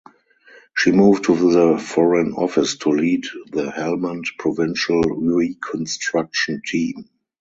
She moved to the Foreign Office to lead the Helmand Provincial Reconstruction Team.